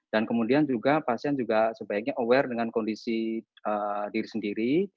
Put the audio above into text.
dan kemudian juga pasien juga sebaiknya aware dengan kondisi diri sendiri